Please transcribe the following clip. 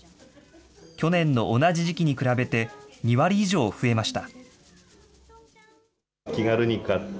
去年の同じ時期に比べて２割以上増えました。